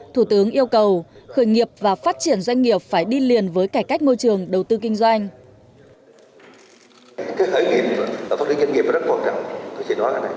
thủ tướng yêu cầu khởi nghiệp và phát triển doanh nghiệp phải đi liền với cải cách môi trường đầu tư kinh doanh